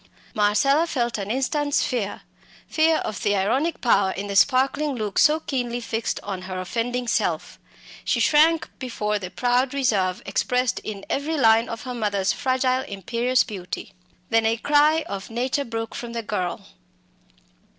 Marcella felt an instant's fear fear of the ironic power in the sparkling look so keenly fixed on her offending self; she shrank before the proud reserve expressed in every line of her mother's fragile imperious beauty. Then a cry of nature broke from the girl.